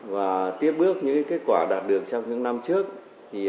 và tiếp bước những kết quả đạt được trong những lần này